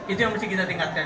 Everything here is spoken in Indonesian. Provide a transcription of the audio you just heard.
itu yang mesti kita tingkatkan